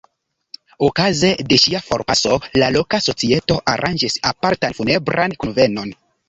Okaze de ŝia forpaso, la loka societo aranĝis apartan funebran kunvenon.